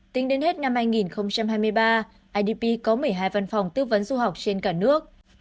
tính đến hết năm hai nghìn hai mươi ba idp có một mươi hai văn phòng tư vấn du học trên cả nước